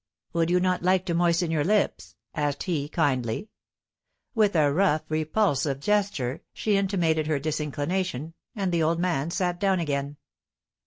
"Would you not like to moisten your lips?" asked he, kindly. With a rough, repulsive gesture, she intimated her disinclination, and the old man sat down again.